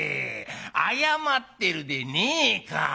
謝ってるでねえか。